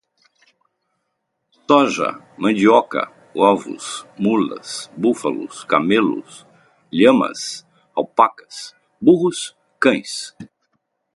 soja, mandioca, ovos, mulas, búfalos, camelos, lhamas, alpacas, burros, cães